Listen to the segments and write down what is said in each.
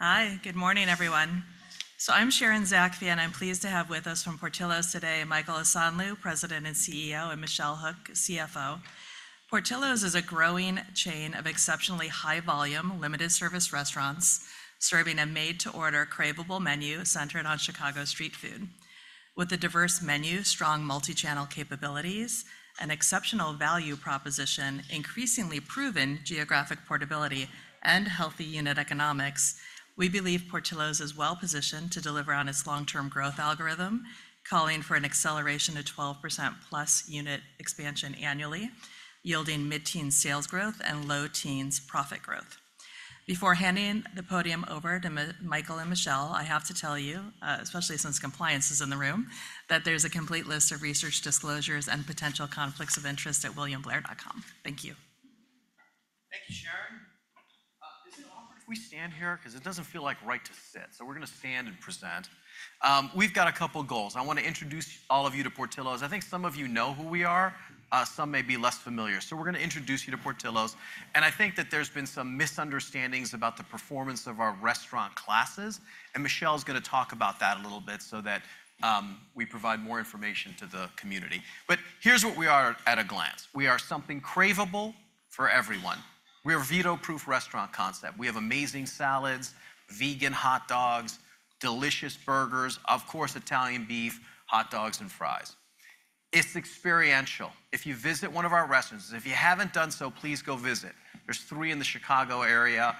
Hi, good morning, everyone. So I'm Sharon Zackfia, and I'm pleased to have with us from Portillo's today, Michael Osanloo, President and CEO, and Michelle Hook, CFO. Portillo's is a growing chain of exceptionally high-volume, limited-service restaurants serving a made-to-order, craveable menus centered on Chicago's street food. With a diverse menu, strong multi-channel capabilities, an exceptional value proposition, increasingly proven geographic portability, and healthy unit economics, we believe Portillo's is well-positioned to deliver on its long-term growth algorithm, calling for an acceleration to 12%+ unit expansion annually, yielding mid-teen sales growth and low teens profit growth. Before handing the podium over to Michael and Michelle, I have to tell you, especially since compliance is in the room, that there's a complete list of research disclosures and potential conflicts of interest at williamblair.com. Thank you. Thank you, Sharon. Is it all right if we stand here, because it doesn't feel like right to sit? So we're gonna stand and present. We've got a couple goals. I wanna introduce all of you to Portillo's. I think some of you know who we are, some may be less familiar. So we're gonna introduce you to Portillo's, and I think that there's been some misunderstandings about the performance of our restaurant classes, and Michelle's gonna talk about that a little bit so that we provide more information to the community. But here's what we are at a glance: We are something craveable for everyone. We're a veto-proof restaurant concept. We have amazing salads, vegan hot dogs, delicious burgers, of course, Italian beef, hot dogs, and fries. It's experiential. If you visit one of our restaurants, if you haven't done so, please go visit. There's three in the Chicago area,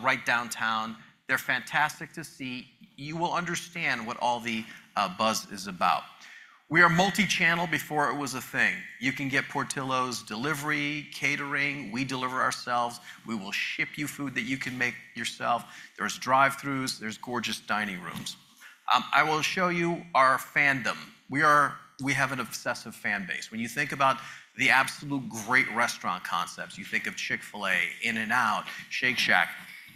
right downtown. They're fantastic to see. You will understand what all the buzz is about. We are multi-channel before it was a thing. You can get Portillo's delivery, catering. We deliver ourselves. We will ship you food that you can make yourself. There's drive-thrus, there's gorgeous dining rooms. I will show you our fandom. We have an obsessive fan base. When you think about the absolute great restaurant concepts, you think of Chick-fil-A, In-N-Out, Shake Shack.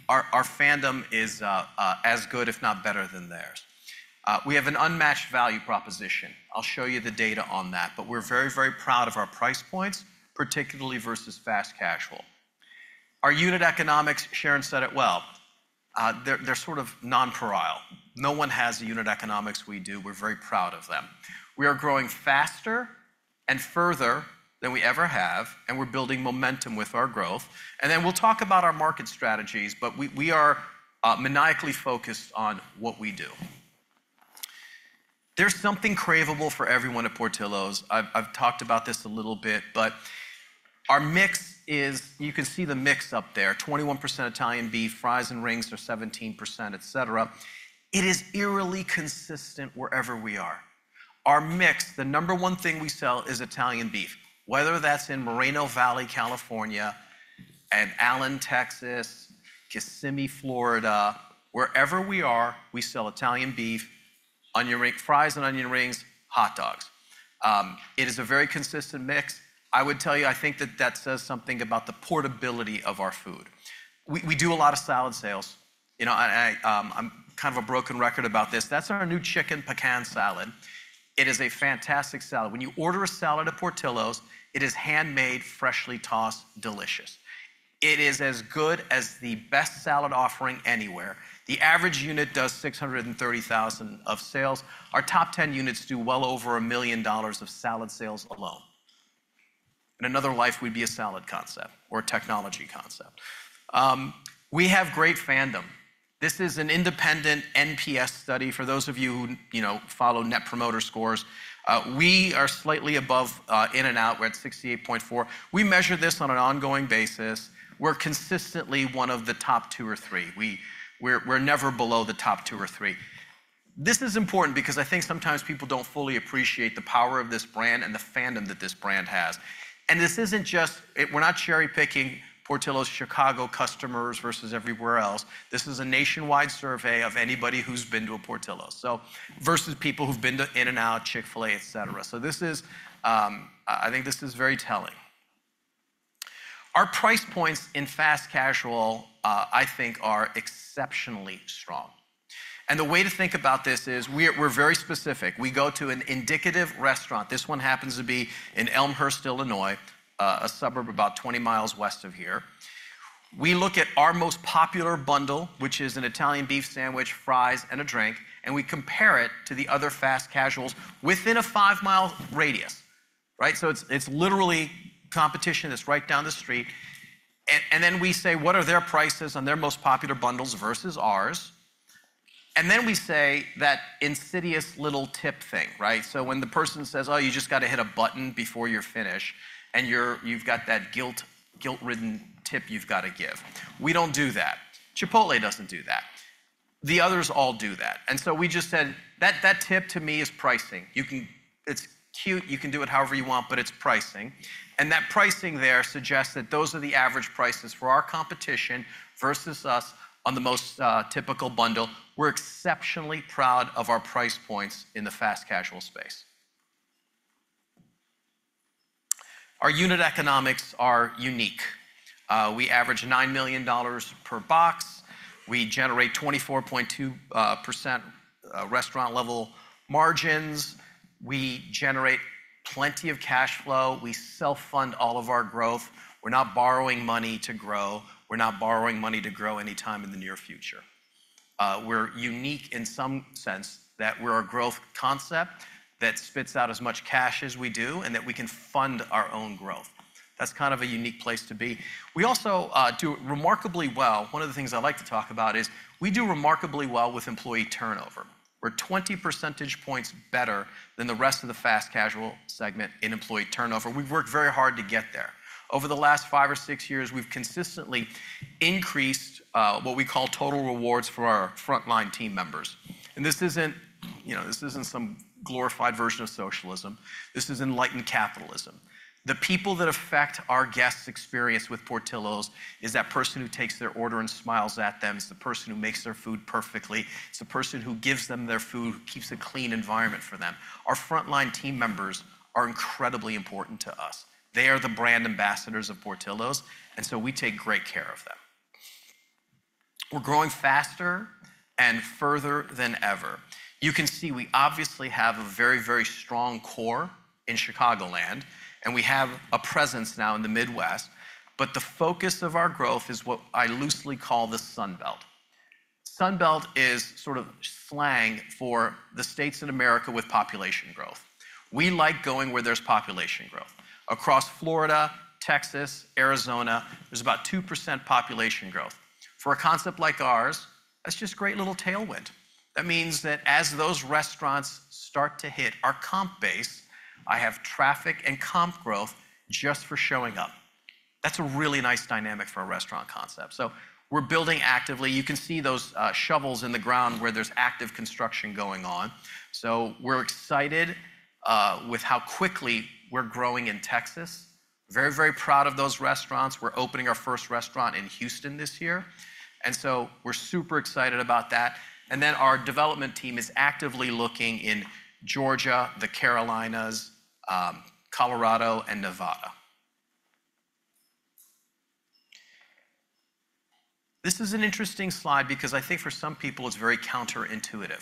Our fandom is as good, if not better, than theirs. We have an unmatched value proposition. I'll show you the data on that, but we're very, very proud of our price points, particularly versus fast casual. Our unit economics, Sharon said it well. They're sort of nonpareil. No one has the unit economics we do. We're very proud of them. We are growing faster and further than we ever have, and we're building momentum with our growth. And then we'll talk about our market strategies, but we are maniacally focused on what we do. There's something craveable for everyone at Portillo's. I've talked about this a little bit, but our mix is... You can see the mix up there. 21% Italian beef, fries and rings are 17%, et cetera. It is eerily consistent wherever we are. Our mix, the number one thing we sell is Italian beef, whether that's in Moreno Valley, California, and Allen, Texas, Kissimmee, Florida. Wherever we are, we sell Italian beef, onion rings, fries and onion rings, hot dogs. It is a very consistent mix. I would tell you, I think that that says something about the portability of our food. We do a lot of salad sales. You know, I'm kind of a broken record about this. That's our new Chicken Pecan Salad. It is a fantastic salad. When you order a salad at Portillo's, it is handmade, freshly tossed, delicious. It is as good as the best salad offering anywhere. The average unit does $630,000 of sales. Our top ten units do well over $1 million of salad sales alone. In another life, we'd be a salad concept or a technology concept. We have great fandom. This is an independent NPS study. For those of you who, you know, follow Net Promoter Scores, we are slightly above In-N-Out. We're at 68.4. We measure this on an ongoing basis. We're consistently one of the top two or three. We're never below the top two or three. This is important because I think sometimes people don't fully appreciate the power of this brand and the fandom that this brand has. And this isn't just. We're not cherry-picking Portillo's Chicago customers versus everywhere else. This is a nationwide survey of anybody who's been to a Portillo's, so versus people who've been to In-N-Out, Chick-fil-A, et cetera. So this is, I think this is very telling. Our price points in fast casual, I think, are exceptionally strong. And the way to think about this is we're very specific. We go to an indicative restaurant. This one happens to be in Elmhurst, Illinois, a suburb about 20 miles west of here. We look at our most popular bundle, which is an Italian beef sandwich, fries, and a drink, and we compare it to the other fast casuals within a five-mile radius, right? So it's, it's literally competition that's right down the street. And, and then we say, "What are their prices on their most popular bundles versus ours?" And then we say that insidious little tip thing, right? So when the person says, "Oh, you just gotta hit a button before you're finished," and you've got that guilt, guilt-ridden tip you've gotta give. We don't do that. Chipotle doesn't do that. The others all do that. And so we just said, "That, that tip to me is pricing." You can... It's cute, you can do it however you want, but it's pricing. That pricing there suggests that those are the average prices for our competition versus us on the most typical bundle. We're exceptionally proud of our price points in the fast casual space. Our unit economics are unique. We average $9 million per box. We generate 24.2% restaurant-level margins. We generate plenty of cash flow. We self-fund all of our growth. We're not borrowing money to grow. We're not borrowing money to grow anytime in the near future. We're unique in some sense that we're a growth concept that spits out as much cash as we do, and that we can fund our own growth. That's kind of a unique place to be. We also do remarkably well. One of the things I like to talk about is, we do remarkably well with employee turnover. We're 20 percentage points better than the rest of the fast casual segment in employee turnover. We've worked very hard to get there. Over the last five or six years, we've consistently increased what we call total rewards for our frontline team members. And this isn't, you know, this isn't some glorified version of socialism. This is enlightened capitalism. The people that affect our guests' experience with Portillo's is that person who takes their order and smiles at them. It's the person who makes their food perfectly. It's the person who gives them their food, who keeps a clean environment for them. Our frontline team members are incredibly important to us. They are the brand ambassadors of Portillo's, and so we take great care of them. We're growing faster and further than ever. You can see we obviously have a very, very strong core in Chicagoland, and we have a presence now in the Midwest, but the focus of our growth is what I loosely call the Sun Belt. Sun Belt is sort of slang for the states in America with population growth. We like going where there's population growth. Across Florida, Texas, Arizona, there's about 2% population growth. For a concept like ours, that's just great little tailwind. That means that as those restaurants start to hit our comp base, I have traffic and comp growth just for showing up. That's a really nice dynamic for a restaurant concept. So we're building actively. You can see those shovels in the ground where there's active construction going on. So we're excited with how quickly we're growing in Texas. Very, very proud of those restaurants. We're opening our first restaurant in Houston this year, and so we're super excited about that. Then our development team is actively looking in Georgia, the Carolinas, Colorado, and Nevada. This is an interesting slide because I think for some people it's very counterintuitive.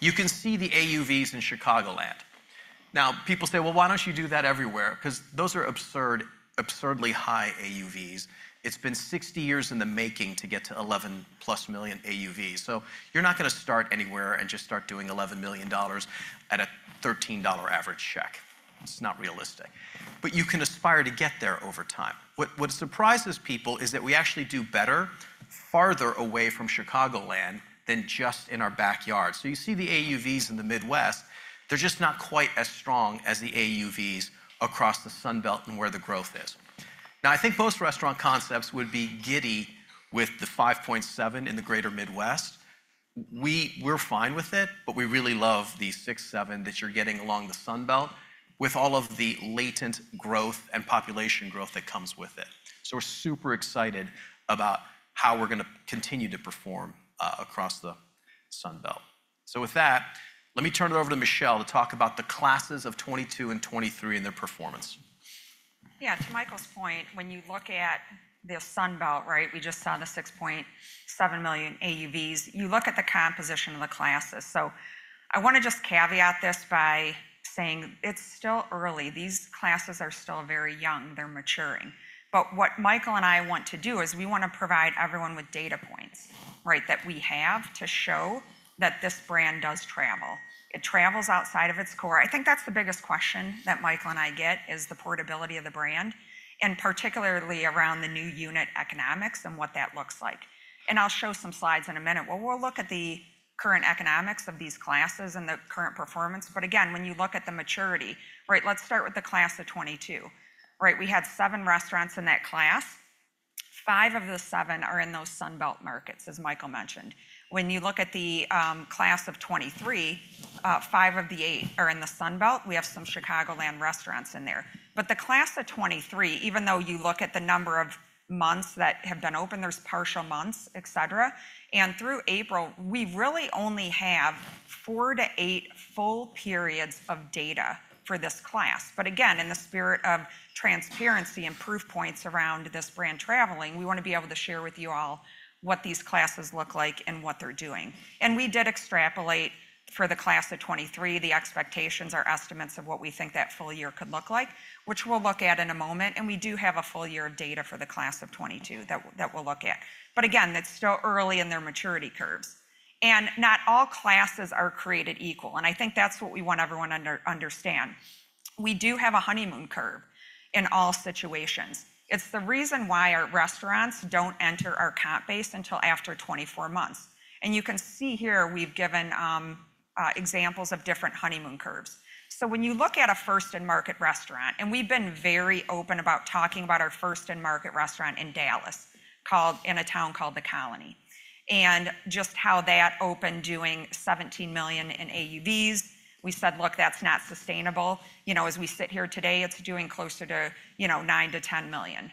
You can see the AUVs in Chicagoland. Now, people say, "Well, why don't you do that everywhere?" 'Cause those are absurdly high AUVs. It's been 60 years in the making to get to $11+ million AUVs. So you're not gonna start anywhere and just start doing $11 million at a $13 average check. It's not realistic, but you can aspire to get there over time. What surprises people is that we actually do better farther away from Chicagoland than just in our backyard. So you see the AUVs in the Midwest, they're just not quite as strong as the AUVs across the Sun Belt and where the growth is. Now, I think most restaurant concepts would be giddy with the 5.7 in the greater Midwest. We're fine with it, but we really love the 6.7 that you're getting along the Sun Belt, with all of the latent growth and population growth that comes with it. So we're super excited about how we're gonna continue to perform across the Sun Belt. So with that, let me turn it over to Michelle to talk about the classes of 2022 and 2023 and their performance. Yeah, to Michael's point, when you look at the Sun Belt, right, we just saw the $6.7 million AUVs, you look at the composition of the classes. So I wanna just caveat this by saying it's still early. These classes are still very young. They're maturing. But what Michael and I want to do is, we wanna provide everyone with data points, right, that we have to show that this brand does travel. It travels outside of its core. I think that's the biggest question that Michael and I get, is the portability of the brand, and particularly around the new unit economics and what that looks like. And I'll show some slides in a minute, where we'll look at the current economics of these classes and the current performance. But again, when you look at the maturity... Right, let's start with the class of 2022. Right, we had 7 restaurants in that class. Five of the 7 are in those Sun Belt markets, as Michael mentioned. When you look at the class of 2023, 5 of the 8 are in the Sun Belt. We have some Chicagoland restaurants in there. But the class of 2023, even though you look at the number of months that have been open, there's partial months, et cetera, and through April, we really only have 4-8 full periods of data for this class. But again, in the spirit of transparency and proof points around this brand traveling, we wanna be able to share with you all what these classes look like and what they're doing. And we did extrapolate for the class of 2023. The expectations are estimates of what we think that full year could look like, which we'll look at in a moment, and we do have a full year of data for the class of 2022 that we'll look at. But again, it's still early in their maturity curves. And not all classes are created equal, and I think that's what we want everyone to understand. We do have a honeymoon curve in all situations. It's the reason why our restaurants don't enter our comp base until after 24 months. And you can see here, we've given examples of different honeymoon curves. So when you look at a first-in-market restaurant, and we've been very open about talking about our first-in-market restaurant in Dallas, called in a town called The Colony, and just how that opened, doing $17 million in AUVs. We said, "Look, that's not sustainable." You know, as we sit here today, it's doing closer to, you know, $9 million-$10 million.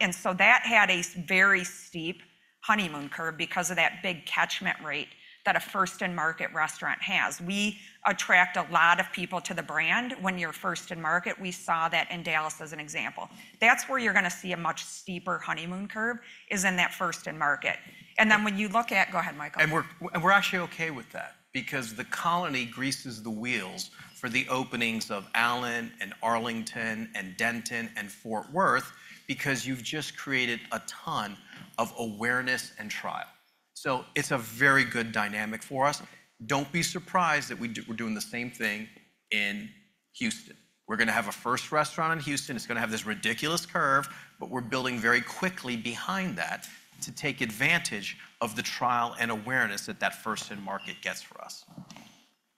And so that had a very steep honeymoon curve because of that big catchment rate that a first-in-market restaurant has. We attract a lot of people to the brand when you're first in market. We saw that in Dallas as an example. That's where you're gonna see a much steeper honeymoon curve, is in that first in market. And then when you look at. Go ahead, Michael. And we're actually okay with that because The Colony greases the wheels for the openings of Allen, Arlington, Denton, and Fort Worth, because you've just created a ton of awareness and trial. So it's a very good dynamic for us. Don't be surprised that we're doing the same thing in Houston. We're gonna have a first restaurant in Houston. It's gonna have this ridiculous curve, but we're building very quickly behind that to take advantage of the trial and awareness that that first-in-market gets for us.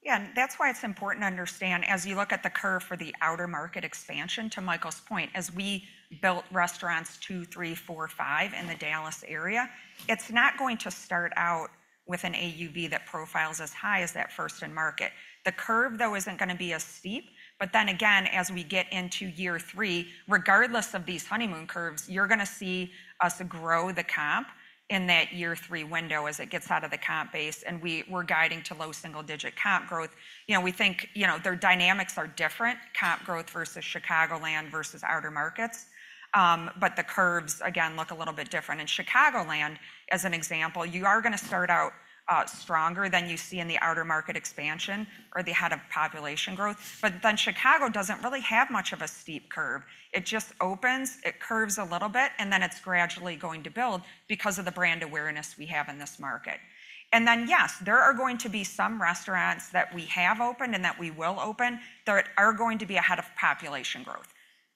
Yeah, and that's why it's important to understand, as you look at the curve for the outer market expansion, to Michael's point, as we built restaurants 2, 3, 4, 5 in the Dallas area, it's not going to start out with an AUV that profiles as high as that first-in-market. The curve, though, isn't gonna be as steep, but then again, as we get into year 3, regardless of these honeymoon curves, you're gonna see us grow the comp in that year 3 window as it gets out of the comp base, and we're guiding to low single-digit comp growth. You know, we think, you know, their dynamics are different, comp growth versus Chicagoland versus outer markets, but the curves, again, look a little bit different. In Chicagoland, as an example, you are gonna start out stronger than you see in the outer market expansion or the head of population growth. But then Chicago doesn't really have much of a steep curve. It just opens, it curves a little bit, and then it's gradually going to build because of the brand awareness we have in this market. And then, yes, there are going to be some restaurants that we have opened and that we will open that are going to be ahead of population growth.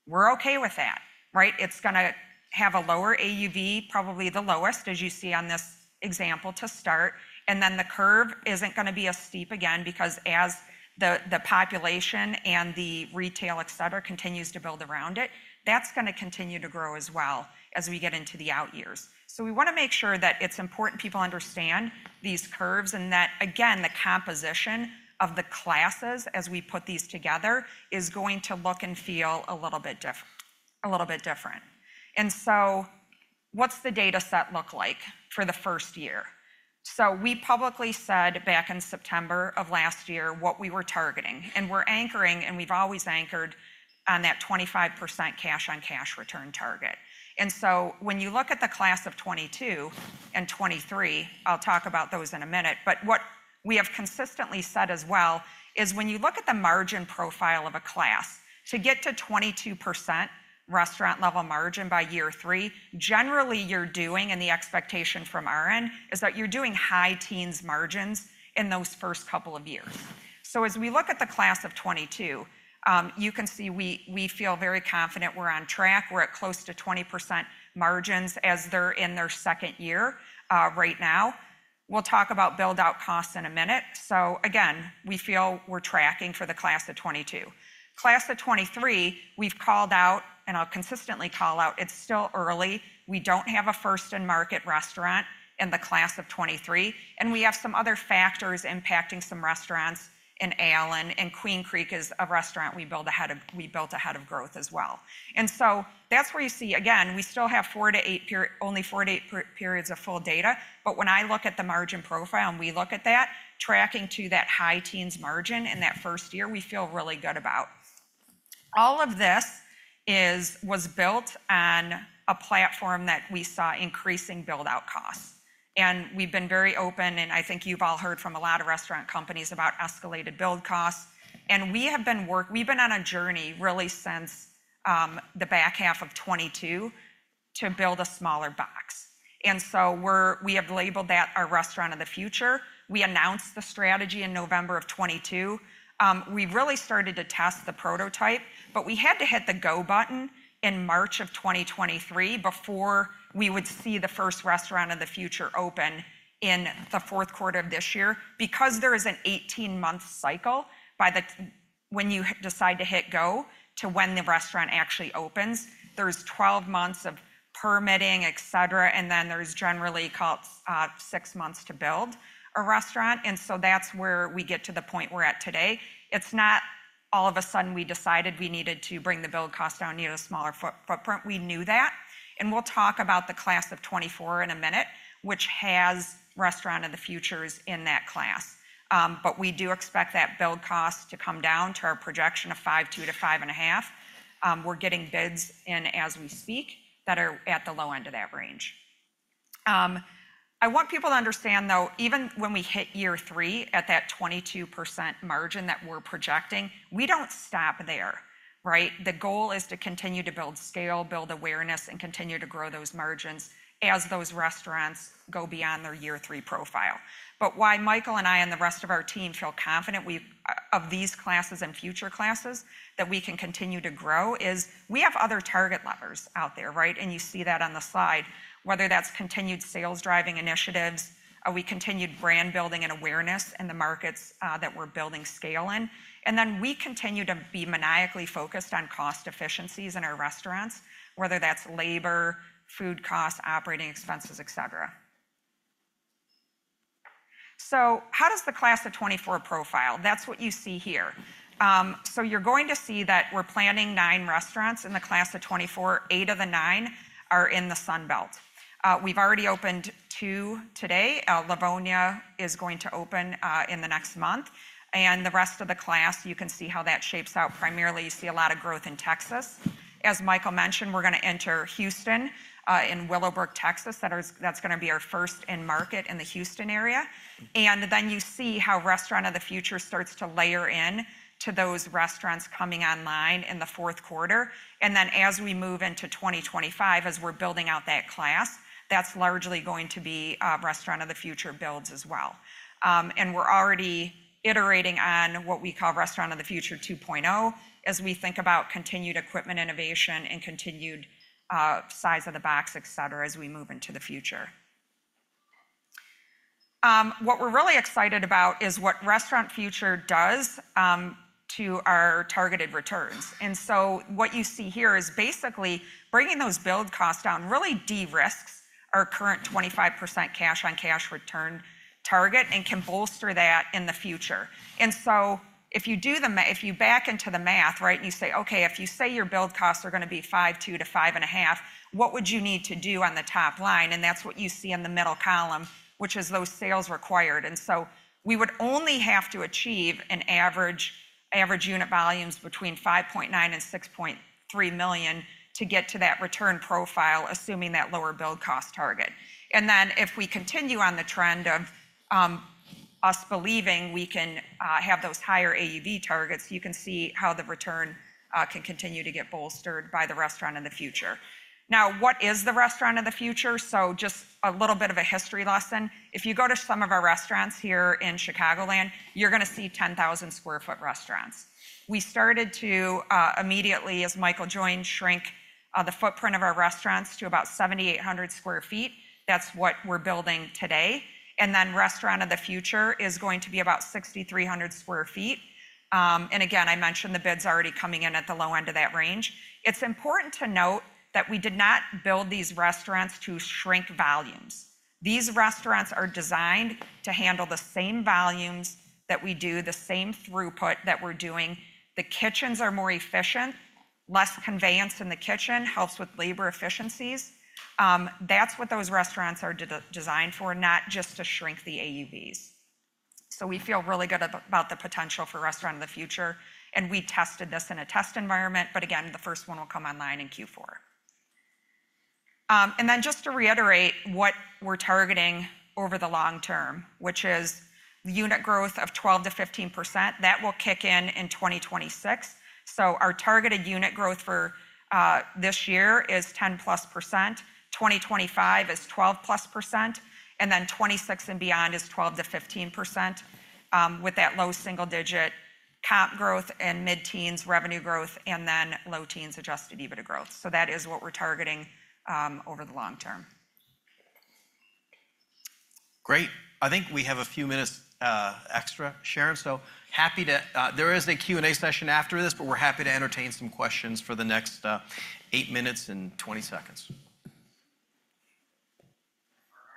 We're okay with that, right? It's gonna have a lower AUV, probably the lowest, as you see on this example, to start, and then the curve isn't gonna be as steep, again, because as the population and the retail, et cetera, continues to build around it, that's gonna continue to grow as well as we get into the out years. So we wanna make sure that it's important people understand these curves and that, again, the composition of the classes as we put these together is going to look and feel a little bit different. And so what's the data set look like for the first year? So we publicly said back in September of last year, what we were targeting, and we're anchoring, and we've always anchored on that 25% cash on cash return target. When you look at the class of 2022 and 2023, I'll talk about those in a minute, but what we have consistently said as well, is when you look at the margin profile of a class, to get to 22% restaurant-level margin by year 3, generally you're doing, and the expectation from our end, is that you're doing high teens margins in those first couple of years. So as we look at the class of 2022, you can see we feel very confident we're on track. We're at close to 20% margins as they're in their second year, right now. We'll talk about build-out costs in a minute. So again, we feel we're tracking for the class of 2022. Class of 2023, we've called out, and I'll consistently call out, it's still early. We don't have a first-in-market restaurant in the class of 2023, and we have some other factors impacting some restaurants in Allen, and Queen Creek is a restaurant we built ahead of growth as well. And so that's where you see, again, we still have 4-8 periods of full data, but when I look at the margin profile, and we look at that, tracking to that high teens margin in that first year, we feel really good about. All of this was built on a platform that we saw increasing build-out costs. And we've been very open, and I think you've all heard from a lot of restaurant companies about escalated build costs, and we've been on a journey, really, since the back half of 2022 to build a smaller box. And so we have labeled that our Restaurant of the Future. We announced the strategy in November 2022. We really started to test the prototype, but we had to hit the go button in March 2023 before we would see the first Restaurant of the Future open in the fourth quarter of this year. Because there is an 18-month cycle, when you decide to hit go to when the restaurant actually opens, there's 12 months of permitting, et cetera, and then there's generally 6 months to build a restaurant, and so that's where we get to the point we're at today. It's not all of a sudden we decided we needed to bring the build cost down to get a smaller footprint. We knew that, and we'll talk about the class of 2024 in a minute, which has Restaurant of the Future in that class. But we do expect that build cost to come down to our projection of $5.2-$5.5. We're getting bids in as we speak that are at the low end of that range. I want people to understand, though, even when we hit year three at that 22% margin that we're projecting, we don't stop there, right? The goal is to continue to build scale, build awareness, and continue to grow those margins as those restaurants go beyond their year three profile. But why Michael and I and the rest of our team feel confident we've of these classes and future classes, that we can continue to grow, is we have other target levers out there, right? You see that on the slide, whether that's continued sales-driving initiatives, we continued brand building and awareness in the markets that we're building scale in, and then we continue to be maniacally focused on cost efficiencies in our restaurants, whether that's labor, food costs, operating expenses, et cetera. So how does the class of 2024 profile? That's what you see here. So you're going to see that we're planning 9 restaurants in the class of 2024. 8 of the 9 are in the Sun Belt. We've already opened 2 today. Livonia is going to open in the next month, and the rest of the class, you can see how that shapes out. Primarily, you see a lot of growth in Texas. As Michael mentioned, we're gonna enter Houston in Willowbrook, Texas. That's gonna be our first in-market in the Houston area. And then you see how Restaurant of the Future starts to layer in to those restaurants coming online in the fourth quarter. And then as we move into 2025, as we're building out that class, that's largely going to be Restaurant of the Future builds as well. And we're already iterating on what we call Restaurant of the Future 2.0, as we think about continued equipment innovation and continued size of the box, etc., as we move into the future. What we're really excited about is what Restaurant of the Future does to our targeted returns. And so what you see here is basically bringing those build costs down really de-risks our current 25% cash on cash return target and can bolster that in the future. And so if you back into the math, right, and you say, "Okay, if you say your build costs are gonna be $5.2-$5.5 million, what would you need to do on the top line?" And that's what you see in the middle column, which is those sales required. And so we would only have to achieve average unit volumes between $5.9 million and $6.3 million to get to that return profile, assuming that lower build cost target. And then, if we continue on the trend of us believing we can have those higher AUV targets, you can see how the return can continue to get bolstered by the Restaurant of the Future. Now, what is the Restaurant of the Future? So just a little bit of a history lesson. If you go to some of our restaurants here in Chicagoland, you're gonna see 10,000 sq ft restaurants. We started to immediately, as Michael joined, shrink the footprint of our restaurants to about 7,800 sq ft. That's what we're building today. Then Restaurant of the Future is going to be about 6,300 sq ft. And again, I mentioned the bids already coming in at the low end of that range. It's important to note that we did not build these restaurants to shrink volumes. These restaurants are designed to handle the same volumes that we do, the same throughput that we're doing. The kitchens are more efficient, less conveyance in the kitchen, helps with labor efficiencies. That's what those restaurants are designed for, not just to shrink the AUVs. So we feel really good about the potential for Restaurant of the Future, and we tested this in a test environment, but again, the first one will come online in Q4. And then just to reiterate what we're targeting over the long term, which is unit growth of 12%-15%, that will kick in in 2026. So our targeted unit growth for this year is 10%+, 2025 is 12%+, and then 2026 and beyond is 12%-15%, with that low single digit comp growth and mid-teens revenue growth, and then low teens adjusted EBITDA growth. So that is what we're targeting over the long term. Great. I think we have a few minutes, extra, Sharon. So happy to, there is a Q&A session after this, but we're happy to entertain some questions for the next, 8 minutes and 20 seconds. Are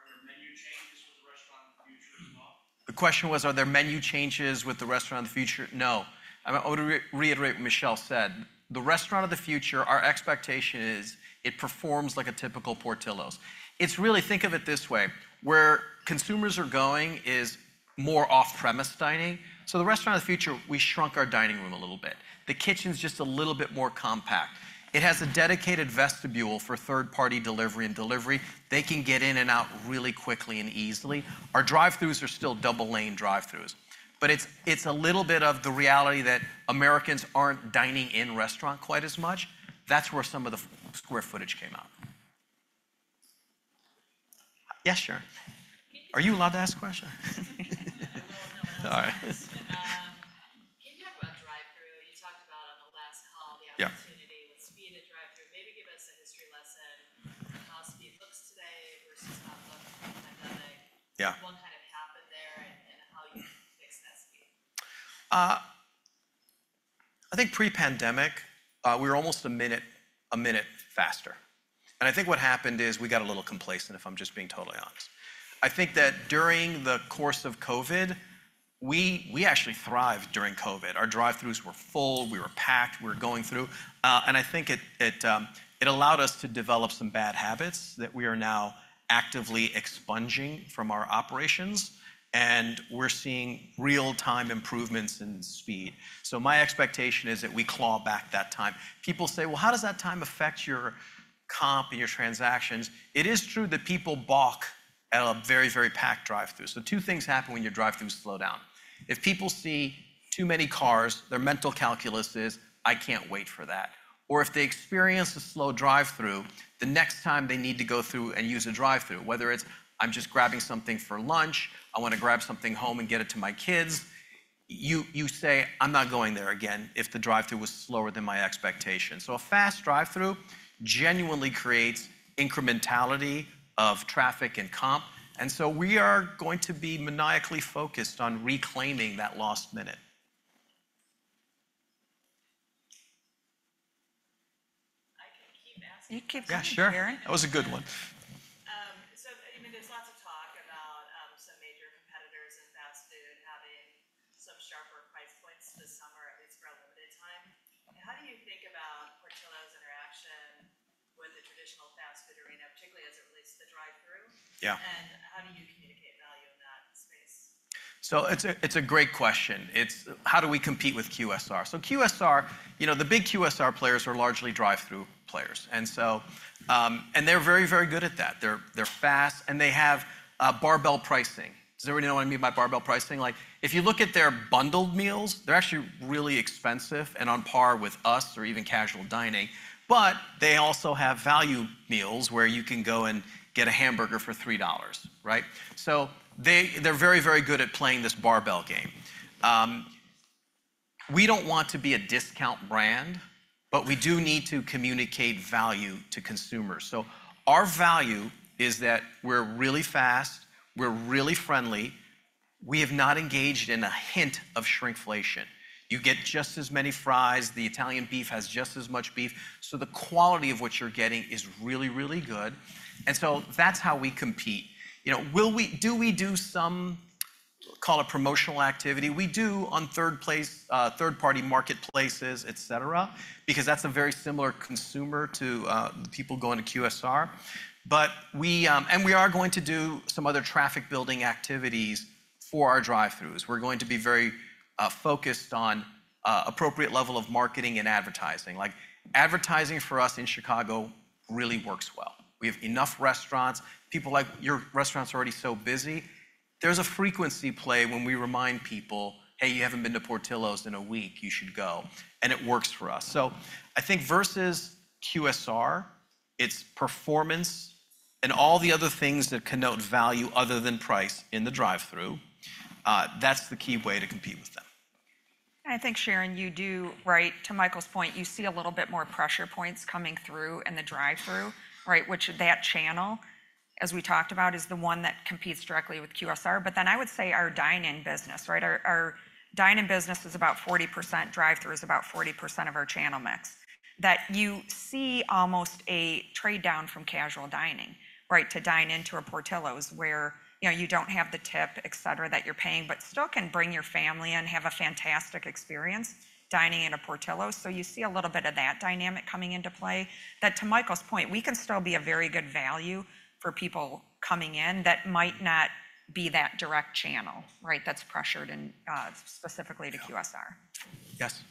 there menu changes with the Restaurant of the Future as well? The question was, are there menu changes with the Restaurant of the Future? No. I mean, I would reiterate what Michelle said. The Restaurant of the Future, our expectation is it performs like a typical Portillo's. It's really, think of it this way, where consumers are going is more off-premise dining. So the Restaurant of the Future, we shrunk our dining room a little bit. The kitchen's just a little bit more compact. It has a dedicated vestibule for third-party delivery and delivery. They can get in and out really quickly and easily. Our drive-throughs are still double lane drive-throughs. But it's, it's a little bit of the reality that Americans aren't dining in restaurant quite as much. That's where some of the square footage came out. Yeah, sure. Can you- Are you allowed to ask a question? No, no. All right. Can you talk about drive-thru? You talked about on the last call- Yeah... the opportunity with speed in drive-thru. Maybe give us a history lesson, how speed looks today versus how it looked pre-pandemic. Yeah. What kind of happened there, and how you fixed that speed? I think pre-pandemic, we were almost a minute, a minute faster. I think what happened is we got a little complacent, if I'm just being totally honest. I think that during the course of COVID, we actually thrived during COVID. Our drive-throughs were full, we were packed, we were going through, and I think it allowed us to develop some bad habits that we are now actively expunging from our operations, and we're seeing real-time improvements in speed. So my expectation is that we claw back that time. People say, "Well, how does that time affect your comp and your transactions?" It is true that people balk at a very, very packed drive-through. So two things happen when your drive-through slow down. If people see too many cars, their mental calculus is, "I can't wait for that." Or if they experience a slow drive-through, the next time they need to go through and use a drive-through, whether it's, "I'm just grabbing something for lunch, I wanna grab something home and get it to my kids," you, you say, "I'm not going there again," if the drive-through was slower than my expectation. So a fast drive-through genuinely creates incrementality of traffic and comp, and so we are going to be maniacally focused on reclaiming that lost minute.... You keep talking, Sharon? Yeah, sure. That was a good one. So, I mean, there's lots of talk about some major competitors in fast food having some sharper price points this summer, at least for a limited time. How do you think about Portillo's interaction with the traditional fast food arena, particularly as it relates to the drive-throughs? Yeah. How do you communicate value in that space? So it's a great question. It's how do we compete with QSR? So QSR, you know, the big QSR players are largely drive-through players, and so, and they're very, very good at that. They're fast, and they have barbell pricing. Does everybody know what I mean by barbell pricing? Like, if you look at their bundled meals, they're actually really expensive and on par with us or even casual dining, but they also have value meals, where you can go and get a hamburger for $3, right? So they're very, very good at playing this barbell game. We don't want to be a discount brand, but we do need to communicate value to consumers. So our value is that we're really fast, we're really friendly. We have not engaged in a hint of shrinkflation. You get just as many fries. The Italian beef has just as much beef, so the quality of what you're getting is really, really good, and so that's how we compete. You know, do we do some, call it promotional activity? We do on third-party marketplaces, et cetera, because that's a very similar consumer to the people going to QSR. But we are going to do some other traffic-building activities for our drive-throughs. We're going to be very focused on appropriate level of marketing and advertising. Like, advertising for us in Chicago really works well. We have enough restaurants. People. Like, your restaurant's already so busy. There's a frequency play when we remind people, "Hey, you haven't been to Portillo's in a week. You should go," and it works for us. So I think versus QSR, it's performance and all the other things that connote value other than price in the drive-through. That's the key way to compete with them. I think, Sharon, you do, right to Michael's point, you see a little bit more pressure points coming through in the drive-through, right? Which that channel, as we talked about, is the one that competes directly with QSR. But then I would say our dine-in business, right? Our dine-in business is about 40%. Drive-through is about 40% of our channel mix. That you see almost a trade-down from casual dining, right, to dine in to a Portillo's, where, you know, you don't have the tip, et cetera, that you're paying, but still can bring your family and have a fantastic experience dining in a Portillo's. So you see a little bit of that dynamic coming into play. That to Michael's point, we can still be a very good value for people coming in that might not be that direct channel, right? That's pressured and, specifically to QSR. Yes.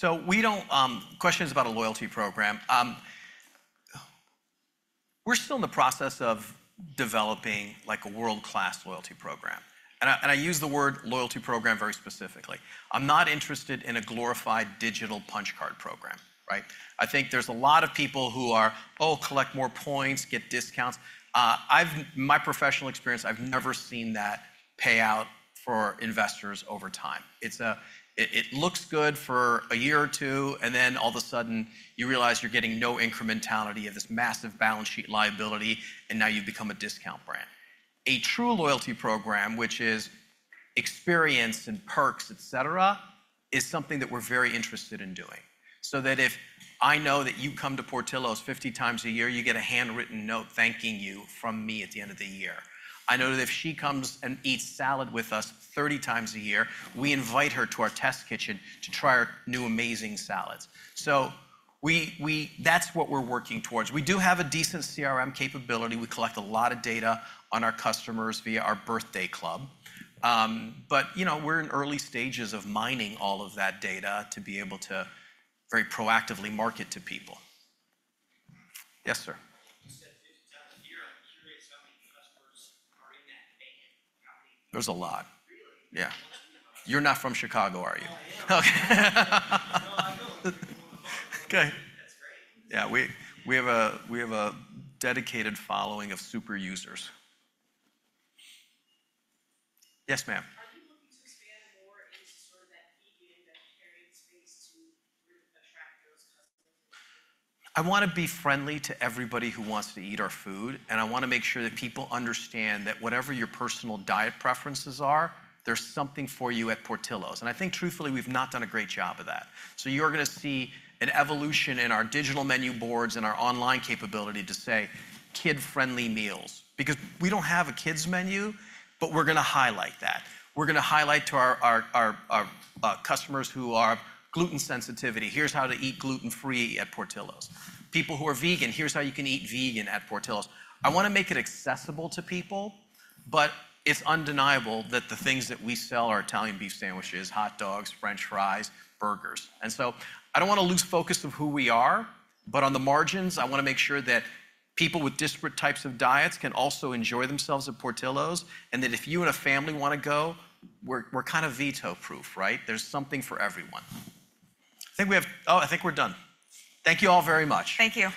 Can you discuss your loyalty program and how it increases frequency, percent sales, and upsells? Question is about a loyalty program. We're still in the process of developing, like, a world-class loyalty program, and I use the word loyalty program very specifically. I'm not interested in a glorified digital punch card program, right? I think there's a lot of people who are, "Oh, collect more points, get discounts." In my professional experience, I've never seen that pay out for investors over time. It looks good for a year or two, and then all of a sudden, you realize you're getting no incrementality of this massive balance sheet liability, and now you've become a discount brand. A true loyalty program, which is experience and perks, et cetera, is something that we're very interested in doing. So that if I know that you come to Portillo's 50 times a year, you get a handwritten note thanking you from me at the end of the year. I know that if she comes and eats salad with us 30 times a year, we invite her to our test kitchen to try our new amazing salads. So we, that's what we're working towards. We do have a decent CRM capability. We collect a lot of data on our customers via our Birthday Club. But you know, we're in early stages of mining all of that data to be able to very proactively market to people. Yes, sir. You said 50 times a year. I'm curious how many customers are in that band roughly? There's a lot. Really? Yeah. You're not from Chicago, are you? I am. Okay. That's great. Yeah, we have a dedicated following of super users. Yes, ma'am. Are you looking to expand more into sort of that vegan, that vegetarian space to attract those customers? I wanna be friendly to everybody who wants to eat our food, and I wanna make sure that people understand that whatever your personal diet preferences are, there's something for you at Portillo's, and I think truthfully, we've not done a great job of that. So you're gonna see an evolution in our digital menu boards and our online capability to say kid-friendly meals, because we don't have a kids' menu, but we're gonna highlight that. We're gonna highlight to our customers who are gluten-sensitive, "Here's how to eat gluten-free at Portillo's." People who are vegan, "Here's how you can eat vegan at Portillo's." I wanna make it accessible to people, but it's undeniable that the things that we sell are Italian beef sandwiches, hot dogs, French fries, burgers. And so I don't wanna lose focus of who we are, but on the margins, I wanna make sure that people with disparate types of diets can also enjoy themselves at Portillo's, and that if you and a family wanna go, we're, we're kind of veto-proof, right? There's something for everyone. I think we have-- Oh, I think we're done. Thank you all very much. Thank you.